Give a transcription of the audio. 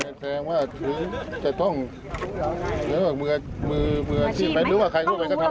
อย่างไรต้องเป็นคนในหรือไม่จำเป็น